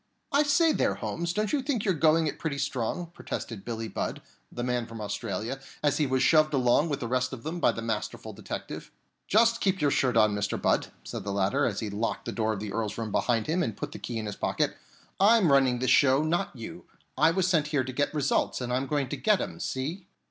"I say there, Holmes, don't you think you're going it pretty strong?" protested Billie Budd, the man from Australia, as he was shoved along with the rest of them by the masterful detective. "Just keep your shirt on, Mr. Budd," said the latter, as he locked the door of the Earl's room behind him and put the key in his pocket. "I'm running this show, not you. I was sent here to get results, and I'm going to get 'em, see?"